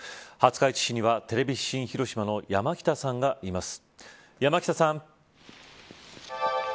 廿日市市にはテレビ新広島の山北さんがいます。